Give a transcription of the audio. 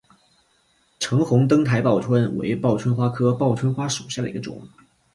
橙红灯台报春为报春花科报春花属下的一个种。